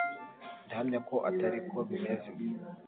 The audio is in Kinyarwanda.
Ndahamya ko atari ko bimeze